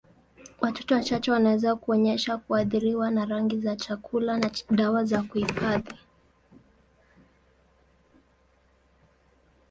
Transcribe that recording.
Watoto wachache wanaweza kuonyesha kuathiriwa na rangi za chakula na dawa za kuhifadhi.